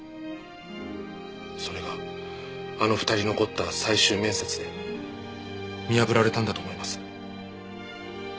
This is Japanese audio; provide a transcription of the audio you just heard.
それがあの２人残った最終面接で見破られたんだと思います。